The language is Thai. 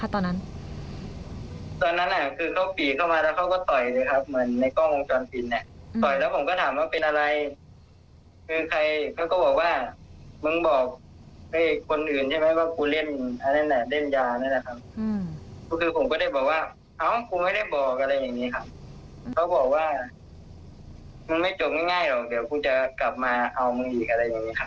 เอ้ากูไม่ได้บอกอะไรอย่างนี้ครับเขาบอกว่ามันไม่จบง่ายหรอกเดี๋ยวกูจะกลับมาเอามึงอีกอะไรอย่างนี้ครับ